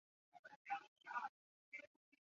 得名于捐款兴校的慈善家周荣富。